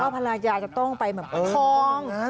ภรรยาจะต้องไปแบบทอง